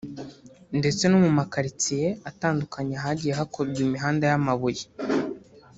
ndetse no mu ma karitsiye atandukanye ahagiye hakorwa imihanda y’amabuye